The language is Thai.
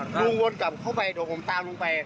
วนกลับเข้าไปเดี๋ยวผมตามลุงไป